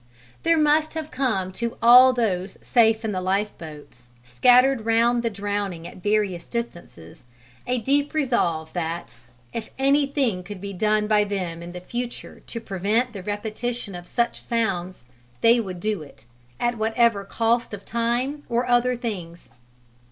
There must have come to all those safe in the lifeboats, scattered round the drowning at various distances, a deep resolve that, if anything could be done by them in the future to prevent the repetition of such sounds, they would do it at whatever cost of time or other things.